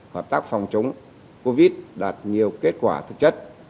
hợp tác phòng chống covid đạt nhiều kết quả thực chất